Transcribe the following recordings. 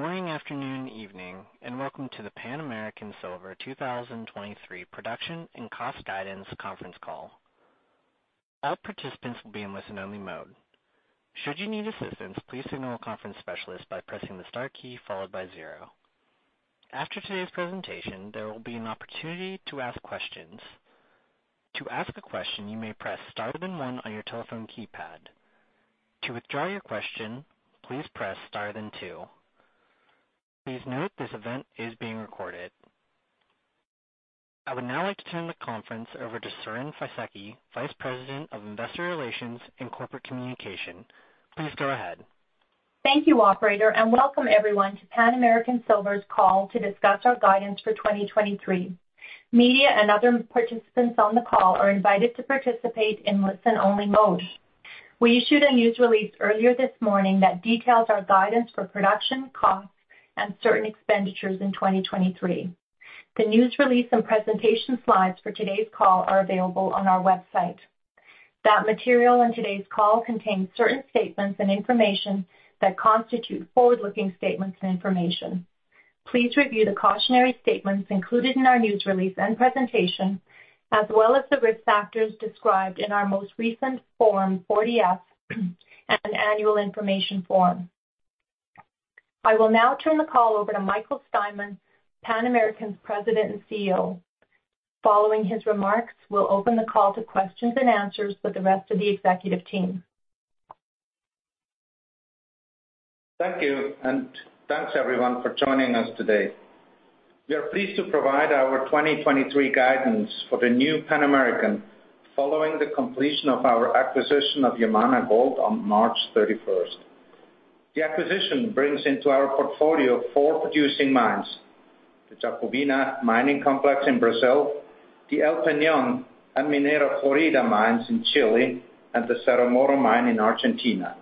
Good morning, afternoon, evening, and welcome to the Pan American Silver 2023 Production and Cost Guidance Conference call. All participants will be in listen-only mode. Should you need assistance, please signal a conference specialist by pressing the star key followed by zero. After today's presentation, there will be an opportunity to ask questions. To ask a question, you may press star then one on your telephone keypad. To withdraw your question, please press star then two. Please note this event is being recorded. I would now like to turn the conference over to Siren Fisekci, Vice President of Investor Relations and Corporate Communication. Please go ahead. Thank you, operator, and welcome everyone to Pan American Silver's call to discuss our guidance for 2023. Media and other participants on the call are invited to participate in listen-only mode. We issued a news release earlier this morning that details our guidance for production, costs, and certain expenditures in 2023. The news release and presentation slides for today's call are available on our website. That material in today's call contains certain statements and information that constitute forward-looking statements and information. Please review the cautionary statements included in our news release and presentation, as well as the risk factors described in our most recent Form 40-F and annual information form. I will now turn the call over to Michael Steinmann, Pan American's President and CEO. Following his remarks, we'll open the call to questions and answers for the rest of the executive team. Thank you. Thanks, everyone, for joining us today. We are pleased to provide our 2023 guidance for the new Pan American following the completion of our acquisition of Yamana Gold on March 31st. The acquisition brings into our portfolio four producing mines, the Jacobina mining complex in Brazil, the El Peñon and Minera Florida mines in Chile, and the Cerro Moro mine in Argentina.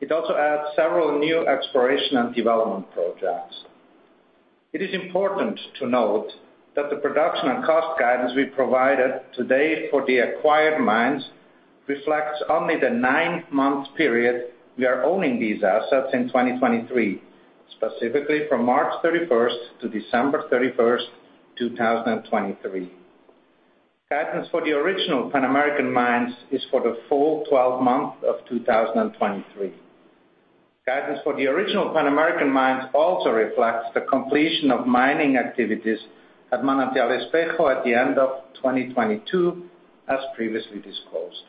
It also adds several new exploration and development projects. It is important to note that the production and cost guidance we provided today for the acquired mines reflects only the nine month period we are owning these assets in 2023, specifically from March 31st to December 31st, 2023. Guidance for the original Pan American mines is for the full 12 months of 2023. Guidance for the original Pan American mines also reflects the completion of mining activities at Manantial Espejo at the end of 2022, as previously disclosed.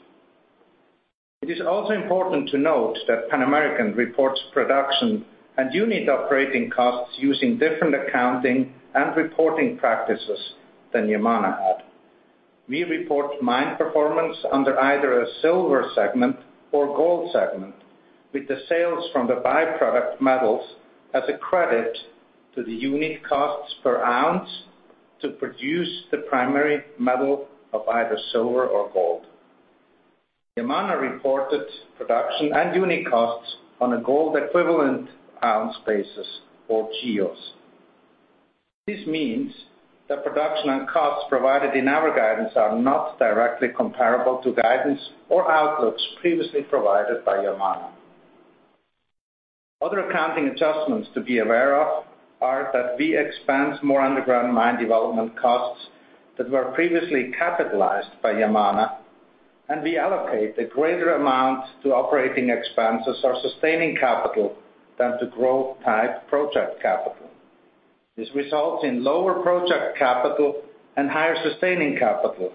It is also important to note that Pan American reports production and unit operating costs using different accounting and reporting practices than Yamana had. We report mine performance under either a silver segment or gold segment, with the sales from the by-product metals as a credit to the unit costs per ounce to produce the primary metal of either silver or gold. Yamana reported production and unit costs on a gold equivalent ounce basis or GEOs. This means that production and costs provided in our guidance are not directly comparable to guidance or outputs previously provided by Yamana. Other accounting adjustments to be aware of are that we expense more underground mine development costs that were previously capitalized by Yamana, and we allocate a greater amount to operating expenses or sustaining capital than to growth-type project capital. This results in lower project capital and higher sustaining capital,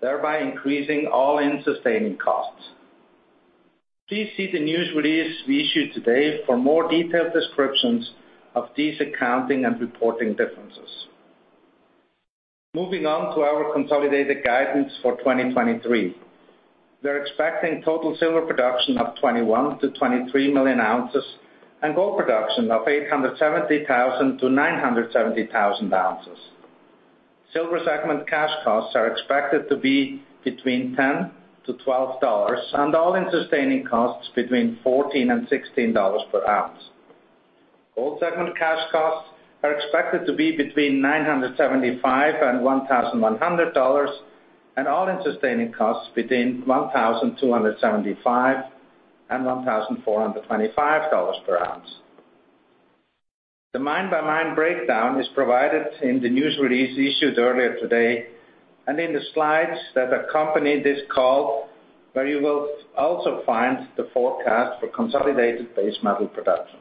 thereby increasing all-in sustaining costs. Please see the news release we issued today for more detailed descriptions of these accounting and reporting differences. Moving on to our consolidated guidance for 2023. We're expecting total silver production of 21 million-23 million ounces and gold production of 870,000-970,000 ounces. Silver segment Cash Costs are expected to be between $10-$12 and all-in sustaining costs between $14 and $16 per ounce. Gold segment cash costs are expected to be between $975 and $1,100, and all-in sustaining costs between $1,275 and $1,425 per ounce. The mine-by-mine breakdown is provided in the news release issued earlier today and in the slides that accompany this call, where you will also find the forecast for consolidated base metal production.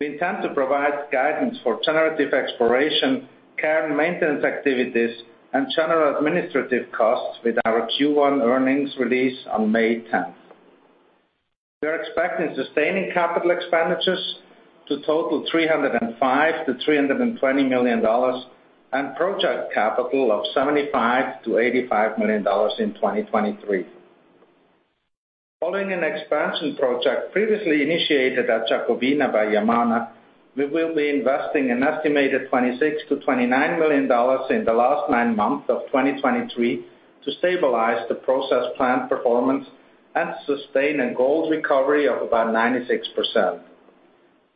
We intend to provide guidance for generative exploration, care and maintenance activities, and general administrative costs with our Q1 earnings release on May 10th. We're expecting sustaining capital expenditures to total $305 million-$320 million and project capital of $75 million-$85 million in 2023. Following an expansion project previously initiated at Jacobina by Yamana Gold, we will be investing an estimated $26 million-$29 million in the last nine months of 2023 to stabilize the process plant performance and sustain a gold recovery of about 96%.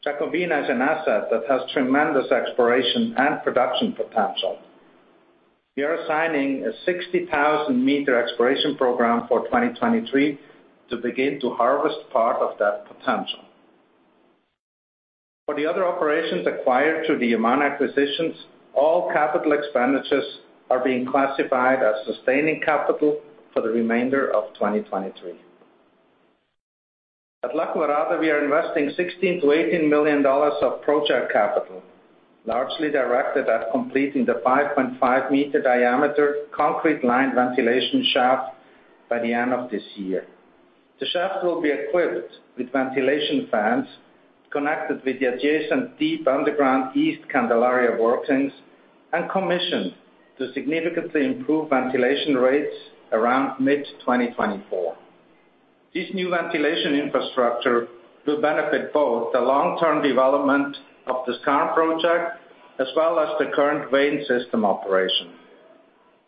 Jacobina is an asset that has tremendous exploration and production potential. We are assigning a 60,000 meter exploration program for 2023 to begin to harvest part of that potential. For the other operations acquired through the Yamana Gold acquisitions, all capital expenditures are being classified as sustaining capital for the remainder of 2023. At La Colorada, we are investing $16 million-$18 million of project capital, largely directed at completing the 5.5 meter diameter concrete line ventilation shaft by the end of this year. The shaft will be equipped with ventilation fans connected with the adjacent deep underground east Candelaria workings and commissioned to significantly improve ventilation rates around mid-2024. This new ventilation infrastructure will benefit both the long-term development of the Skarn project as well as the current vein system operation.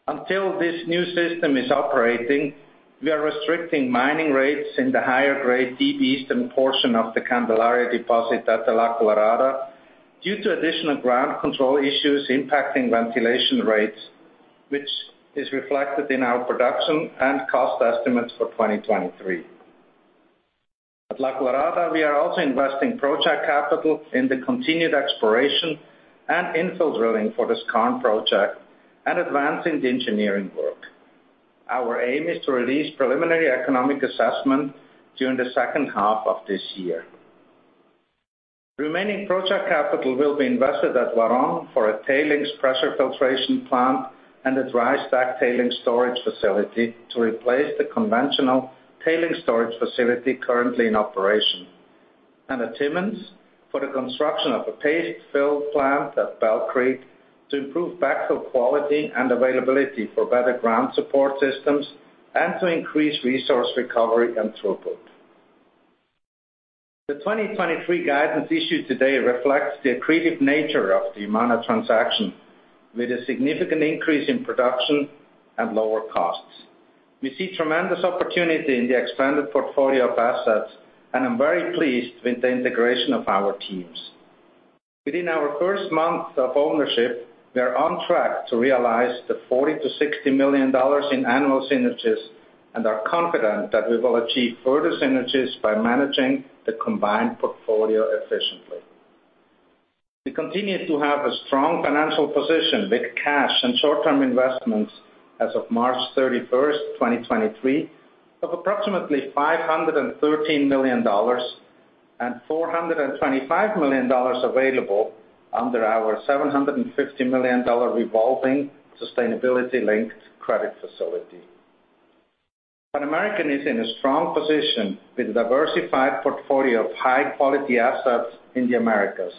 Until this new system is operating, we are restricting mining rates in the higher grade deep eastern portion of the Candelaria deposit at the La Colorada due to additional ground control issues impacting ventilation rates, which is reflected in our production and cost estimates for 2023. At La Colorada, we are also investing project capital in the continued exploration and infill drilling for the Skarn project and advancing the engineering work. Our aim is to release preliminary economic assessment during the second half of this year. Remaining project capital will be invested at Huarón for a tailings pressure filtration plant and a dry stack tailings storage facility to replace the conventional tailings storage facility currently in operation. At Timmins, for the construction of a paste fill plant at Bell Creek to improve backfill quality and availability for better ground support systems and to increase resource recovery and throughput. The 2023 guidance issued today reflects the accretive nature of the Yamana transaction with a significant increase in production and lower costs. We see tremendous opportunity in the expanded portfolio of assets, and I'm very pleased with the integration of our teams. Within our first month of ownership, we are on track to realize the $40 million-$60 million in annual synergies and are confident that we will achieve further synergies by managing the combined portfolio efficiently. We continue to have a strong financial position with cash and short-term investments as of March 31, 2023, of approximately $513 million and $425 million available under our $750 million revolving Sustainability-Linked Credit Facility. Pan American is in a strong position with a diversified portfolio of high-quality assets in the Americas,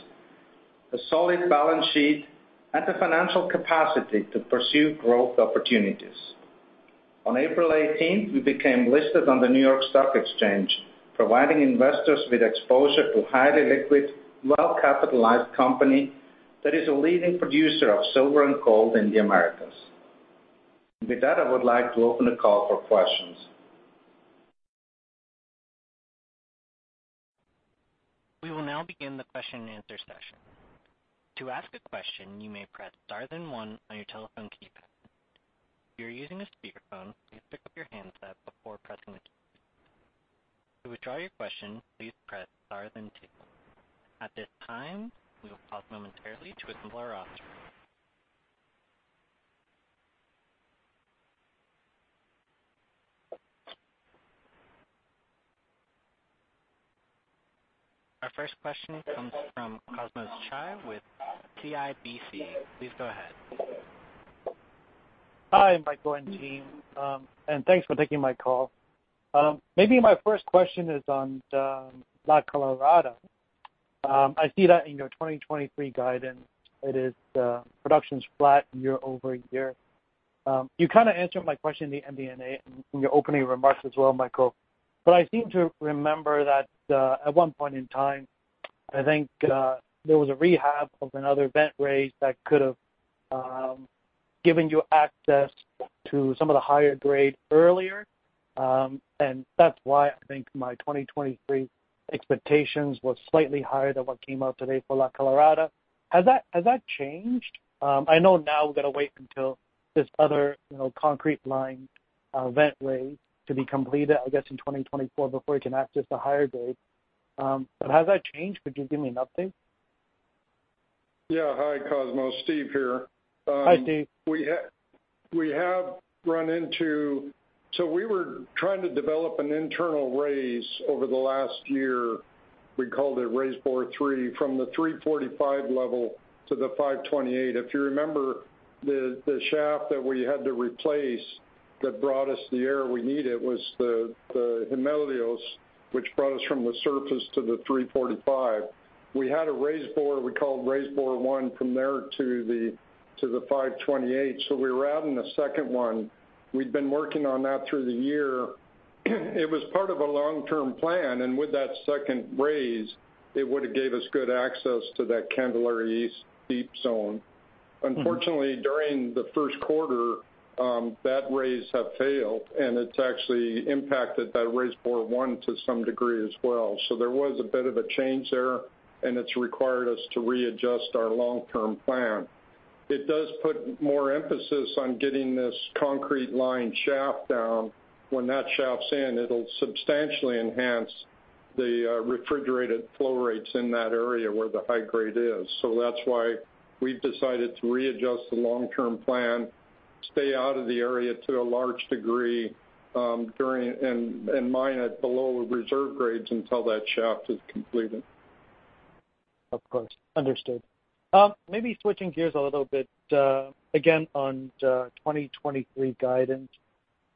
a solid balance sheet and the financial capacity to pursue growth opportunities. On April 18, we became listed on the New York Stock Exchange, providing investors with exposure to highly liquid, well-capitalized company that is a leading producer of silver and gold in the Americas. With that, I would like to open the call for questions. We will now begin the question and answer session. To ask a question, you may press star then one on your telephone keypad. If you're using a speakerphone, please pick up your handset before pressing the key. To withdraw your question, please press star then two. At this time, we will pause momentarily to assemble our operator. Our first question comes from Cosmos Chiu with CIBC. Please go ahead. Hi, Michael and team, thanks for taking my call. Maybe my first question is on the La Colorada. I see that in your 2023 guidance, production's flat year-over-year. You kind a answered my question in the MD&A in your opening remarks as well, Michael, but I seem to remember that, at one point in time, I think, there was a rehab of another vent raise that could have given you access to some of the higher grade earlier. That's why I think my 2023 expectations were slightly higher than what came out today for La Colorada. Has that changed? I know now we've gotta wait until this other, you know, concrete line, vent way to be completed, I guess, in 2024 before you can access the higher grade. Has that changed? Could you give me an update? Yeah. Hi, Cosmos. Steve here. Hi, Steve. We have run into. We were trying to develop an internal raise over the last year. We called it Raise Bore Three from the 345 level to the 528. If you remember, the shaft that we had to replace that brought us the air we needed was the Himelios, which brought us from the surface to the 345. We had a raise bore we called Raise Bore One from there to the 528. We were adding a second one. We'd been working on that through the year. It was part of a long-term plan. With that second raise, it would've gave us good access to that Candelaria east deep zone. Unfortunately, during the first quarter. That raise have failed, and it's actually impacted that Raise 41 to some degree as well. There was a bit of a change there, and it's required us to readjust our long-term plan. It does put more emphasis on getting this concrete line shaft down. When that shaft's in, it'll substantially enhance the refrigerated flow rates in that area where the high grade is. That's why we've decided to readjust the long-term plan, stay out of the area to a large degree, during and mine at below reserve grades until that shaft is completed. Of course. Understood. maybe switching gears a little bit, again on the 2023 guidance.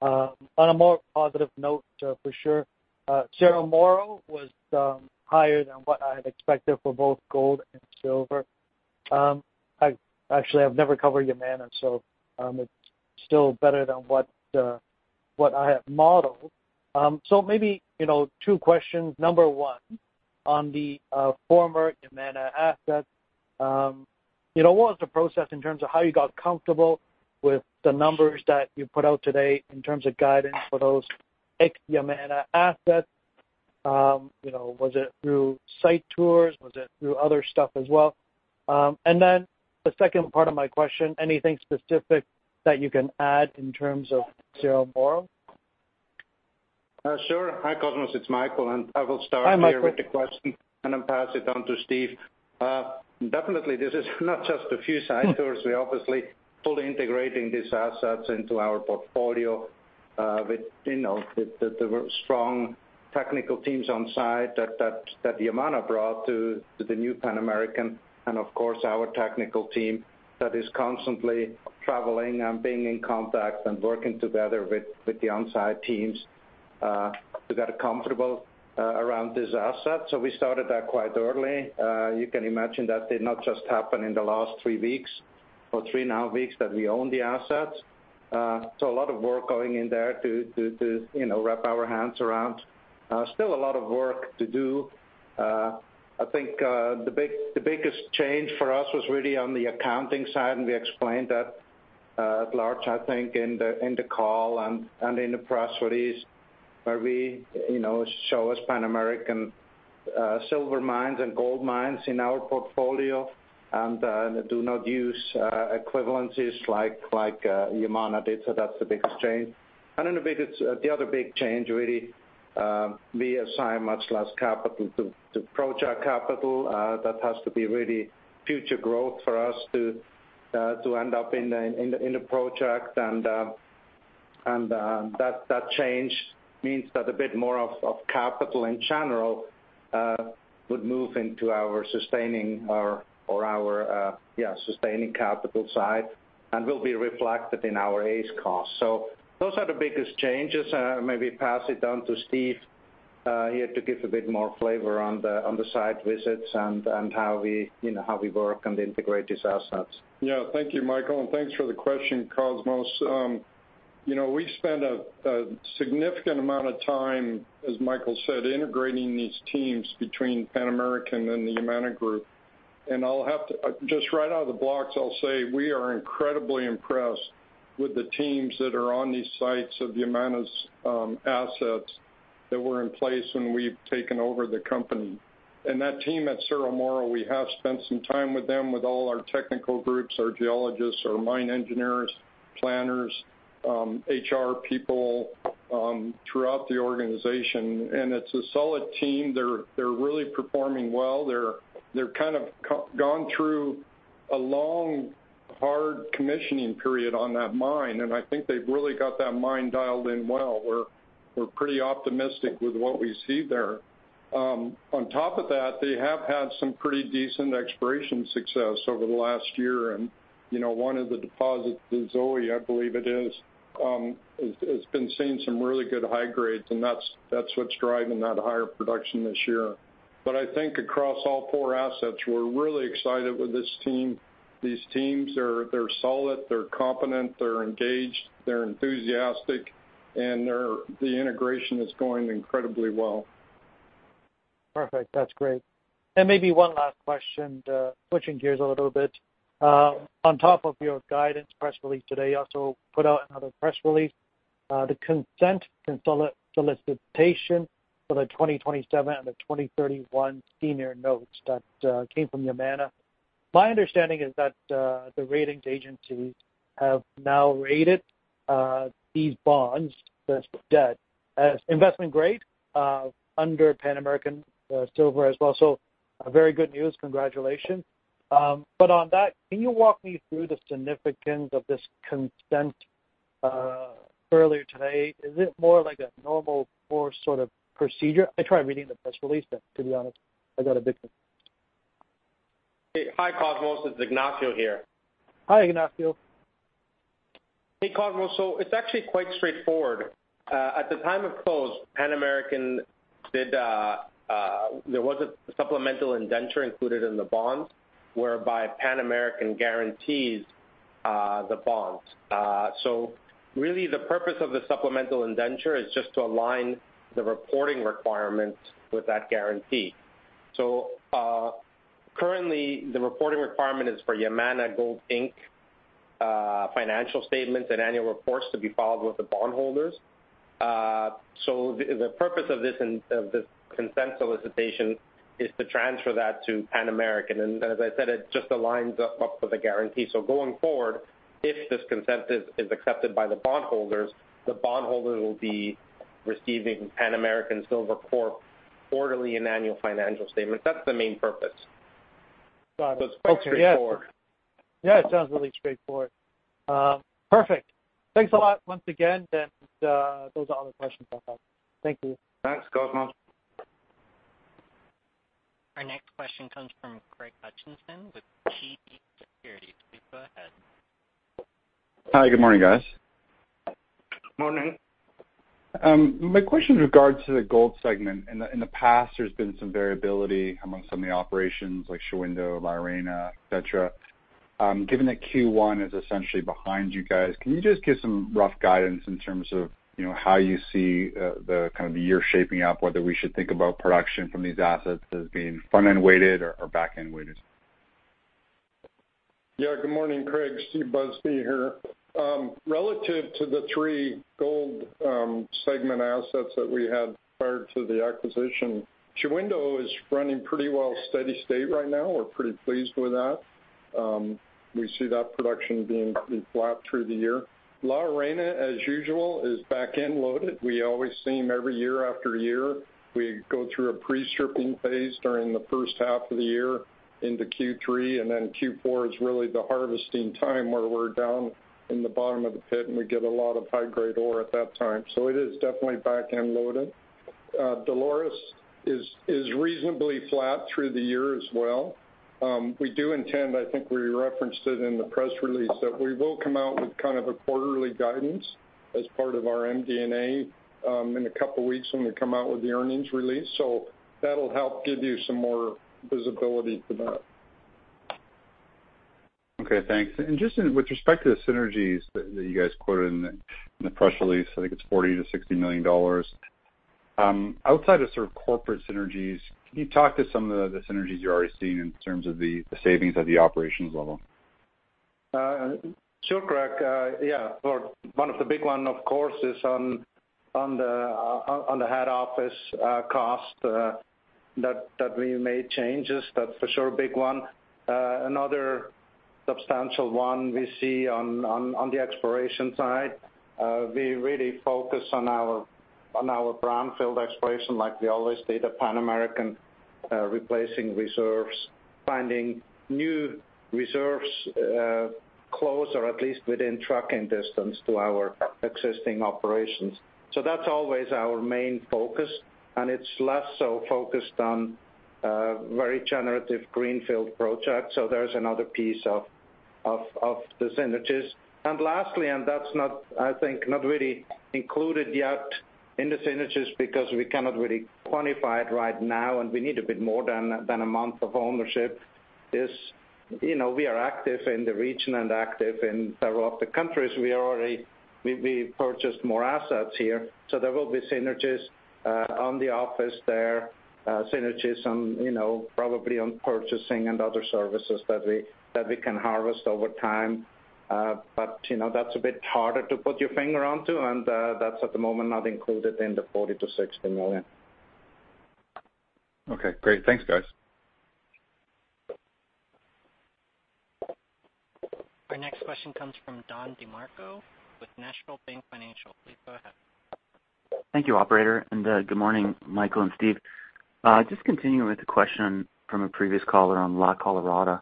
on a more positive note, for sure, Cerro Moro was higher than what I had expected for both gold and silver. I actually have never covered Yamana, so, it's still better than what I have modeled. so maybe, you know, two questions. Number one, on the, former Yamana assets, you know, what was the process in terms of how you got comfortable with the numbers that you put out today in terms of guidance for those ex-Yamana assets? you know, was it through site tours? Was it through other stuff as well? The second part of my question, anything specific that you can add in terms of Cerro Moro? Sure. Hi, Cosmos, it's Michael, and I will. Hi, Michael. here with the question and then pass it on to Steve. Definitely this is not just a few site tours. We're obviously fully integrating these assets into our portfolio, with, you know, with the strong technical teams on site that Yamana brought to the new Pan American and of course, our technical team that is constantly traveling and being in contact and working together with the on-site teams, to get comfortable, around this asset. We started that quite early. You can imagine that did not just happen in the last three weeks or three now weeks that we own the assets. A lot of work going in there to, you know, wrap our hands around. Still a lot of work to do. I think the biggest change for us was really on the accounting side, and we explained that at large, I think in the call and in the press release, where we, you know, show as Pan American silver mines and gold mines in our portfolio and do not use equivalencies like Yamana did. That's the biggest change. The other big change really, we assign much less capital to project capital that has to be really future growth for us to end up in the project. That change means that a bit more capital in general would move into our sustaining capital side and will be reflected in our AISC cost. Those are the biggest changes. Maybe pass it down to Steve here to give a bit more flavor on the site visits and how we, you know, how we work and integrate these assets. Yeah. Thank you, Michael, and thanks for the question, Cosmos. You know, we spend a significant amount of time, as Michael said, integrating these teams between Pan American and the Yamana group. I'll have to just right out of the blocks, I'll say we are incredibly impressed with the teams that are on these sites of Yamana's assets that were in place when we've taken over the company. That team at Cerro Moro, we have spent some time with them with all our technical groups, our geologists, our mine engineers, planners, HR people throughout the organization. It's a solid team. They're really performing well. They're kind of gone through a long, hard commissioning period on that mine, and I think they've really got that mine dialed in well. We're pretty optimistic with what we see there. On top of that, they have had some pretty decent exploration success over the last year. You know, one of the deposits, the Zoe, I believe it is, has been seeing some really good high grades, and that's what's driving that higher production this year. I think across all four assets, we're really excited with this team. These teams, they're solid, they're competent, they're engaged, they're enthusiastic, and the integration is going incredibly well. Perfect. That's great. Maybe one last question, switching gears a little bit. On top of your guidance press release today, you also put out another press release, the consent solicitation for the 2027 and the 2031 senior notes that came from Yamana. My understanding is that the ratings agencies have now rated these bonds, this debt as investment grade under Pan American Silver as well. A very good news. Congratulations. On that, can you walk me through the significance of this consent earlier today? Is it more like a normal more sort of procedure? I tried reading the press release, but to be honest, I got a bit confused. Hey. Hi, Cosmos. It's Ignacio here. Hi, Ignacio. Hey, Cosmos. It's actually quite straightforward. At the time of close, Pan American did, there was a supplemental indenture included in the bonds whereby Pan American guarantees the bonds. Really the purpose of the supplemental indenture is just to align the reporting requirements with that guarantee. Currently, the reporting requirement is for Yamana Gold Inc., financial statements and annual reports to be filed with the bondholders. The purpose of this consent solicitation is to transfer that to Pan American. As I said, it just aligns up with the guarantee. Going forward, if this consent is accepted by the bondholders, the bondholders will be receiving Pan American Silver Corp., quarterly and annual financial statements. That's the main purpose. Got it. It's quite straightforward. Yeah, it sounds really straightforward. Perfect. Thanks a lot once again. Those are all the questions I have. Thank you. Thanks, Cosmos. Our next question comes from Craig Hutchinson with TD Securities. Please go ahead. Hi, good morning, guys. Morning. My question with regards to the gold segment. In the, in the past, there's been some variability amongst some of the operations like Shahuindo, La Arena, et cetera. Given that Q1 is essentially behind you guys, can you just give some rough guidance in terms of, you know, how you see the kind of the year shaping up, whether we should think about production from these assets as being front-end weighted or back-end weighted? Yeah, good morning, Craig. Steve Busby here. Relative to the three gold segment assets that we had prior to the acquisition, Shahuindo is running pretty well steady state right now. We're pretty pleased with that. We see that production being flat through the year. La Arena, as usual, is back-end loaded. We always seem every year after year, we go through a pre-stripping phase during the first half of the year into Q3, and then Q4 is really the harvesting time where we're down in the bottom of the pit, and we get a lot of high-grade ore at that time. It is definitely back-end loaded. Dolores is reasonably flat through the year as well. We do intend, I think we referenced it in the press release, that we will come out with kind of a quarterly guidance as part of our MD&A, in a couple of weeks when we come out with the earnings release. That'll help give you some more visibility to that. Okay, thanks. Just with respect to the synergies that you guys quoted in the press release, I think it's $40 million-$60 million. Outside of sort of corporate synergies, can you talk to some of the synergies you're already seeing in terms of the savings at the operations level? Sure, Craig. Yeah. One of the big one, of course, is on the head office cost that we made changes. That's for sure a big one. Another substantial one we see on the exploration side, we really focus on our brownfield exploration like we always did at Pan American, replacing reserves, finding new reserves, close or at least within trucking distance to our existing operations. That's always our main focus, and it's less so focused on very generative greenfield projects. There's another piece of the synergies. Lastly, that's not, I think, not really included yet in the synergies because we cannot really quantify it right now, and we need a bit more than a month of ownership is, you know, we are active in the region and active in several of the countries. We purchased more assets here. There will be synergies on the office there, synergies on, you know, probably on purchasing and other services that we can harvest over time. You know, that's a bit harder to put your finger onto, and that's at the moment not included in the $40 million-$60 million. Okay, great. Thanks, guys. Our next question comes from Don DeMarco with National Bank Financial. Please go ahead. Thank you, operator. Good morning, Michael and Steve. Just continuing with the question from a previous caller on La Colorada.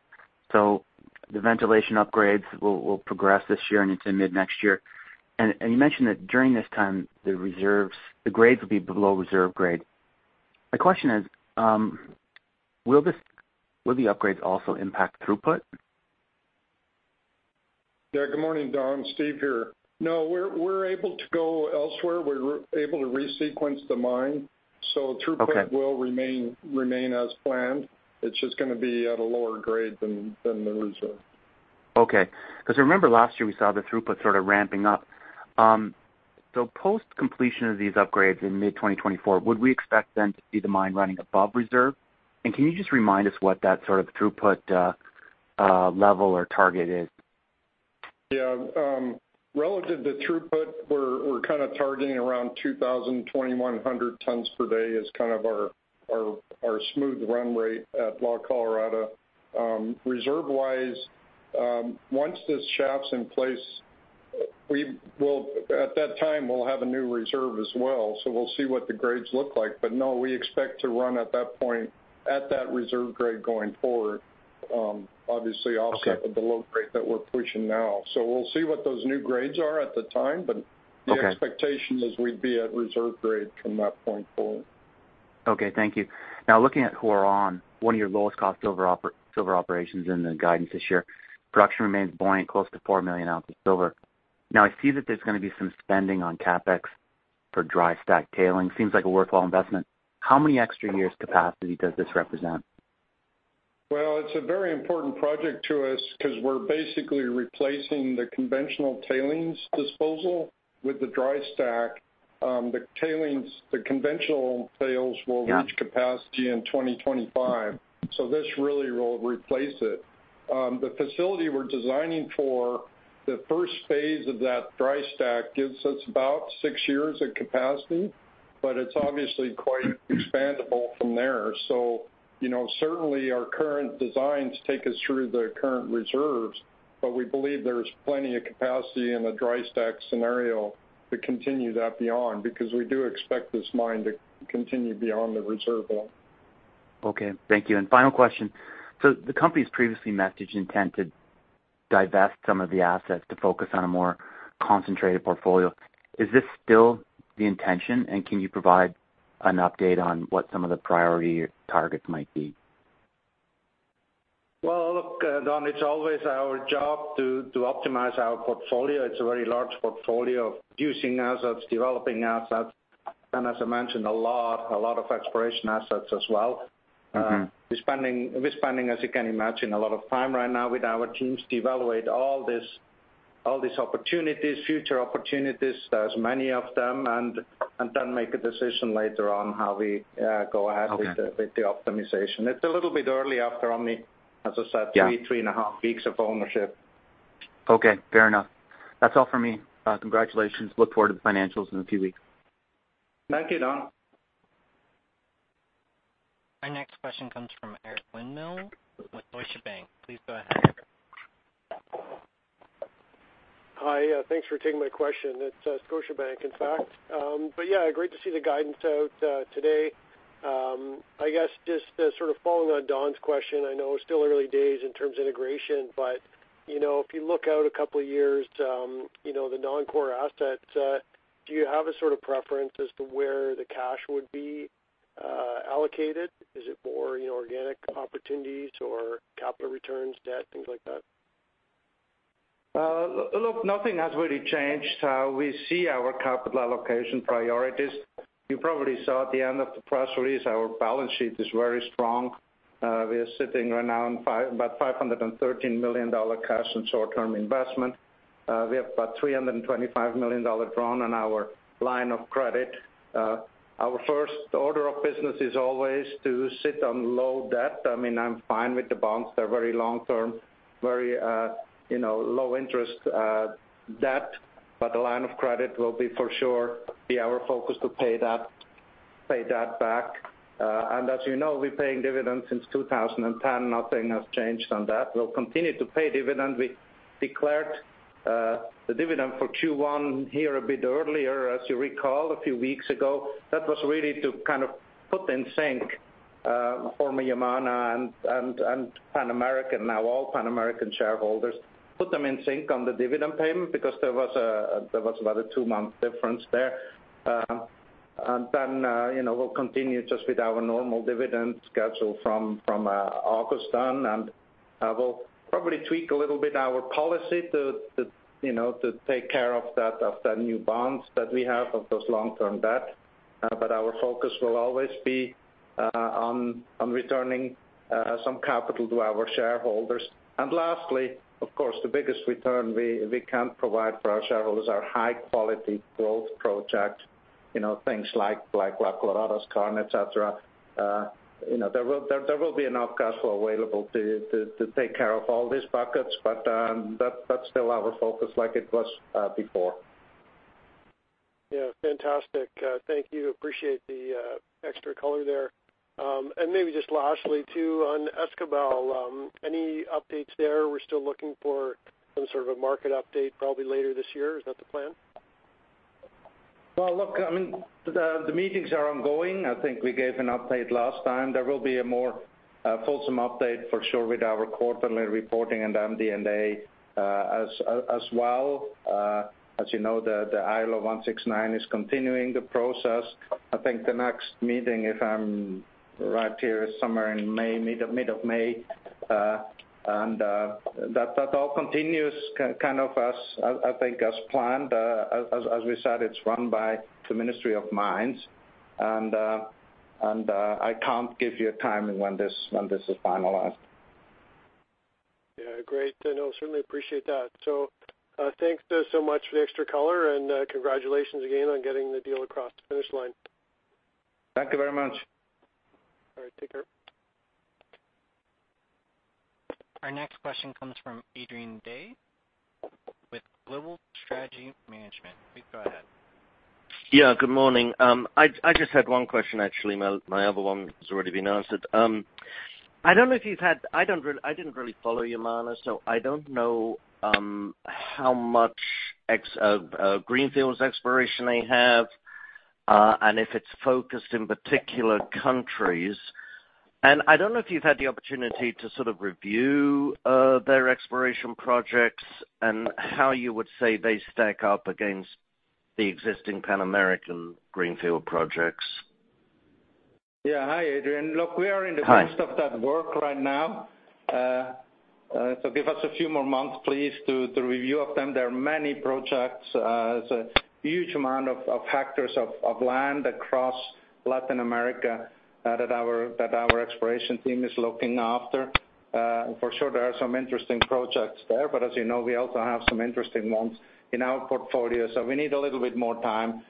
The ventilation upgrades will progress this year and into mid-next year. You mentioned that during this time, the reserves, the grades will be below reserve grade. My question is, will the upgrades also impact throughput? Yeah. Good morning, Don. Steve here. No, we're able to go elsewhere. We're able to resequence the mine. Okay. Throughput will remain as planned. It's just gonna be at a lower grade than the reserve. Because I remember last year we saw the throughput sort of ramping up. Post-completion of these upgrades in mid-2024, would we expect then to see the mine running above reserve? Can you just remind us what that sort of throughput, level or target is? Yeah. Relative to throughput, we're kind of targeting around 2,000-2,100 tons per day is kind of our smooth run rate at La Colorada. Reserve-wise, once this shaft's in place, at that time, we'll have a new reserve as well, so we'll see what the grades look like. No, we expect to run at that point, at that reserve grade going forward, obviously offset- Okay. With the low grade that we're pushing now. We'll see what those new grades are at the time. Okay. The expectation is we'd be at reserve grade from that point forward. Okay. Thank you. Now looking at Huarón, one of your lowest cost silver operations in the guidance this year, production remains buoyant, close to 4 million ounces silver. Now I see that there's gonna be some spending on CapEx for dry stack tailings. Seems like a worthwhile investment. How many extra years capacity does this represent? Well, it's a very important project to us because we're basically replacing the conventional tailings disposal with the dry stack. The tailings, the conventional tails. Yeah... reach capacity in 2025. This really will replace it. The facility we're designing for the first phase of that dry stack gives us about six years of capacity, but it's obviously quite expandable from there. You know, certainly our current designs take us through the current reserves, but we believe there's plenty of capacity in the dry stack scenario to continue that beyond because we do expect this mine to continue beyond the reserve well. Okay, thank you. Final question. The company's previously messaged intent to divest some of the assets to focus on a more concentrated portfolio. Is this still the intention, and can you provide an update on what some of the priority targets might be? Look, Don, it's always our job to optimize our portfolio. It's a very large portfolio of producing assets, developing assets, and as I mentioned, a lot of exploration assets as well. Mm-hmm. We're spending, as you can imagine, a lot of time right now with our teams to evaluate all these opportunities, future opportunities. There's many of them, and then make a decision later on how we go ahead. Okay... with the optimization. It's a little bit early after only, as I said. Yeah three and a half weeks of ownership. Okay, fair enough. That's all for me. Congratulations. Look forward to the financials in a few weeks. Thank you, Don. Our next question comes from Eric Winmill with Scotiabank. Please go ahead. Hi, thanks for taking my question. It's, Scotiabank, in fact. Yeah, great to see the guidance out today. I guess just sort of following on Don's question, I know it's still early days in terms of integration, but, you know, if you look out a couple of years, you know, the non-core assets, do you have a sort of preference as to where the cash would be allocated? Is it more, you know, organic opportunities or capital returns, debt, things like that? Look, nothing has really changed how we see our capital allocation priorities. You probably saw at the end of the press release, our balance sheet is very strong. We are sitting right now on about $513 million cash and short-term investment. We have about $325 million drawn on our line of credit. Our first order of business is always to sit on low debt. I mean, I'm fine with the bonds. They're very long-term, very, you know, low interest debt, but the line of credit will for sure be our focus to pay that back. As you know, we're paying dividends since 2010. Nothing has changed on that. We'll continue to pay dividend. We declared the dividend for Q1 here a bit earlier, as you recall a few weeks ago. That was really to kind of put in sync former Yamana and Pan American. Now all Pan American shareholders put them in sync on the dividend payment because there was about a two month difference there. Then, you know, we'll continue just with our normal dividend schedule from August on, and we'll probably tweak a little bit our policy to, you know, to take care of that new bonds that we have, of those long-term debt. Our focus will always be on returning some capital to our shareholders. Lastly, of course, the biggest return we can provide for our shareholders are high quality growth projects, you know, things like La Colorada Skarn, et cetera. You know, there will be enough cash flow available to take care of all these buckets, but that's still our focus like it was before. Yeah, fantastic. Thank you. Appreciate the extra color there. Maybe just lastly too, on Escobal, any updates there? We're still looking for some sort of a market update probably later this year. Is that the plan? Well, look, I mean, the meetings are ongoing. I think we gave an update last time. There will be a more fulsome update for sure with our quarterly reporting and MD&A as well. As you know, the ILO 169 is continuing the process. I think the next meeting, if I'm right here, is somewhere in May, mid of May. That all continues kind of as I think as planned. As we said, it's run by the Ministry of Mines, and I can't give you a timing when this is finalized. Yeah, great. I certainly appreciate that. Thanks so much for the extra color, and congratulations again on getting the deal across the finish line. Thank you very much. All right, take care. Our next question comes from Adrian Day with Global Strategic Management. Please go ahead. Yeah, good morning. I just had one question, actually. My other one has already been answered. I don't know if you've had. I didn't really follow Yamana, so I don't know how much greenfield exploration they have, and if it's focused in particular countries. I don't know if you've had the opportunity to sort of review their exploration projects and how you would say they stack up against the existing Pan American greenfield projects. Yeah. Hi, Adrian. Look, we are. Hi... midst of that work right now. so give us a few more months, please, to review of them. There are many projects. It's a huge amount of hectares of land across Latin America that our exploration team is looking after. For sure there are some interesting projects there, but as you know, we also have some interesting ones in our portfolio, so we need a little bit more time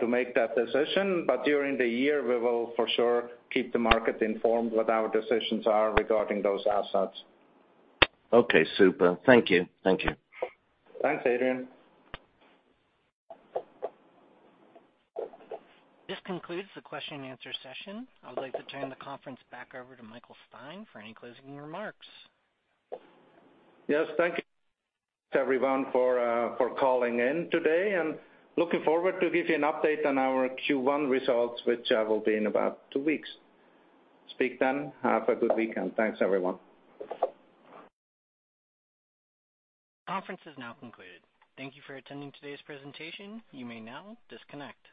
to make that decision. During the year, we will for sure keep the market informed what our decisions are regarding those assets. Okay, super. Thank you. Thank you. Thanks, Adrian. This concludes the question and answer session. I'd like to turn the conference back over to Michael Steinmann for any closing remarks. Yes, thank you, everyone, for for calling in today, and looking forward to give you an update on our Q1 results, which will be in about two weeks. Speak then. Have a good weekend. Thanks, everyone. Conference is now concluded. Thank you for attending today's presentation. You may now disconnect.